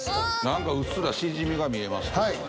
何かうっすらシジミが見えますけど。